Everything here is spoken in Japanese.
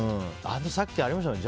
さっきありましたね。